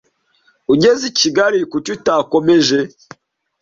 Ugeze i Kigali kuki utakomeje